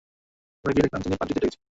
আমরা গিয়ে দেখলাম, তিনি পাদ্রীদের ডেকেছেন।